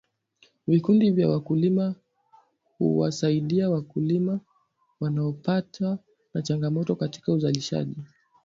vikundi vya wakulima huwasaidi wakulima wanaopatwa na changamoto katika uzalishaji